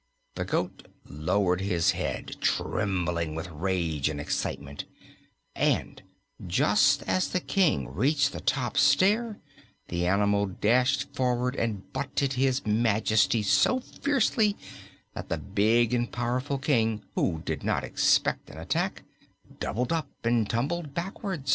The goat lowered his head, trembling with rage and excitement, and just as the King reached the top stair the animal dashed forward and butted His Majesty so fiercely that the big and powerful King, who did not expect an attack, doubled up and tumbled backward.